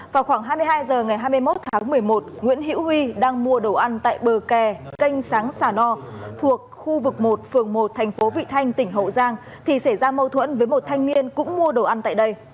vào khoảng hai mươi hai h ngày hai mươi một tháng một mươi một nguyễn hữu huy đang mua đồ ăn tại bờ kè canh sáng sà no thuộc khu vực một phường một thành phố vị thanh tỉnh hậu giang thì xảy ra mâu thuẫn với một thanh niên cũng mua đồ ăn tại đây